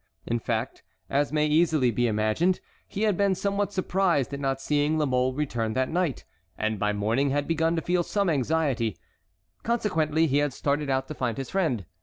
In fact, as may easily be imagined, he had been somewhat surprised at not seeing La Mole return that night, and by morning had begun to feel some anxiety. Consequently he had started out to find his friend.